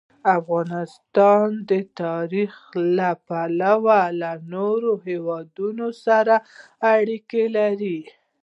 افغانستان د تاریخ له پلوه له نورو هېوادونو سره اړیکې لري.